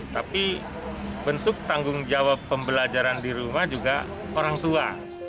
tapi bentuk tanggung jawab pembelajaran di rumah juga orang tua